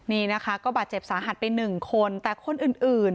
นี่นะคะก็บาดเจ็บสาหัสไปหนึ่งคนแต่คนอื่น